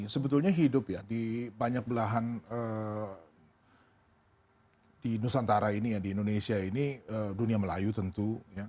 sebetulnya hidup ya di banyak belahan di nusantara ini ya di indonesia ini dunia melayu tentu